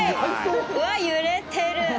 うわっ、揺れてる！